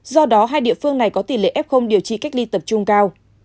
do đó hai địa phương này có tỷ lệ f điều trị cách ly tập trung cao